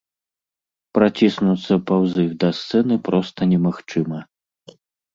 Праціснуцца паўз іх да сцэны проста немагчыма.